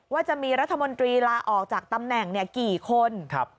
ว่าจะมีรัฐมนตรีลาออกจากตำแหน่งกี่คน